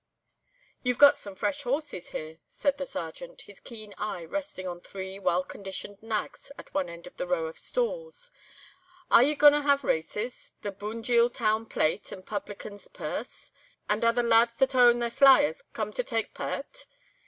"You've got some fresh horses here," said the Sergeant, his keen eye resting on three well conditioned nags at one end of the row of stalls; "are ye gaun to have races—the Bunjil Town Plate and Publican's Purse—and are the lads that own thae flyers come to tak' pairt?